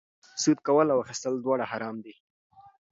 سود کول او اخیستل دواړه حرام دي